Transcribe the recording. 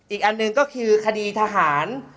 อีกอันก็คือคดีทหาร